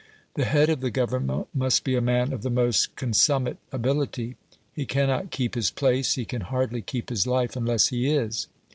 The head of the Government must be a man of the most consummate ability. He cannot keep his place, he can hardly keep his life, unless he is.